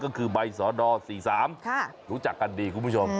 ก็คือใบสด๔๓รู้จักกันดีคุณผู้ชม